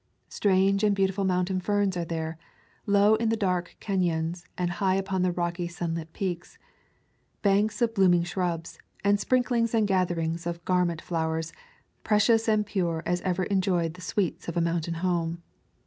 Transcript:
Strange and beauti ful mountain ferns are there, low in the dark cafions and high upon the rocky sunlit peaks; banks of blooming shrubs, and sprinklings and gatherings of garment flowers, precious and pure as ever enjoyed the sweets of a mountain home.